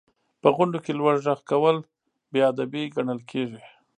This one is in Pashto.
• په غونډو کې لوړ ږغ کول بې ادبي ګڼل کېږي.